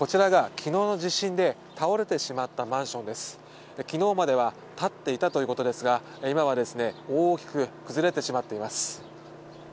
昨日までは立っていたということですが今はですね大きく崩れてしまっています。